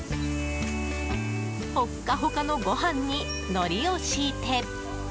ほっかほかのご飯にのりを敷いて。